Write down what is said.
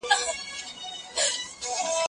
زه پرون د کتابتون کتابونه لوستل کوم!.